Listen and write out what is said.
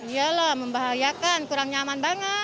iya lah membahayakan kurang nyaman banget